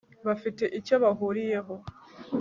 bafite icyo bahuriyeho